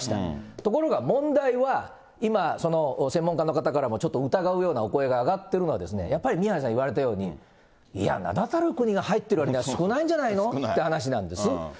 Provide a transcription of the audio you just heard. ところが問題は今、専門家の方からもちょっと疑うようなお声が上がっているのは、やっぱり宮根さん言われたように、いや、名だたる国が入ってるわりには少ないんじゃないのという話なんです。